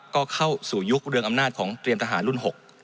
ก็เข้าสู่ยุคเรืองอำนาจของเตรียมทหารรุ่น๖